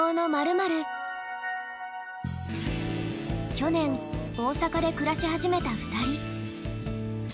去年大阪で暮らし始めた２人。